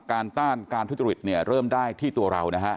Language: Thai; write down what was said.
การต้านการทุจริตเริ่มได้ที่ตัวเรา